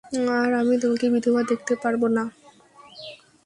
আর আমি তোমাকে বিধবা দেখতে পারবো না।